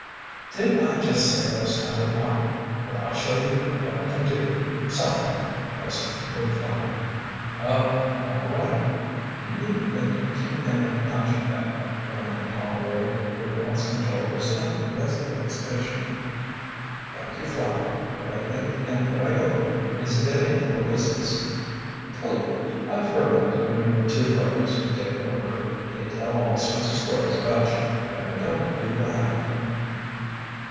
"Didn't I just say I was tired out? But I'll show you what I can do some time," blustered Lew Flapp. "Oh; all right." "You needn't think you're king pin of the punching bag," went on the tall boy, who had lost control of his temper because of the exhibition. "Thank you, Flapp, what I think and what I don't think isn't any of your business." "Pooh! I've heard about you and your two brothers, Dick Rover. They tell all sorts of stories about you, but I don't believe the half of them."